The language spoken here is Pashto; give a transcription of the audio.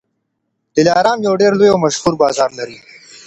دلارام یو ډېر لوی او مشهور بازار لري.